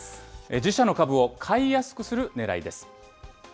自社の株を買いやすくするねらいです。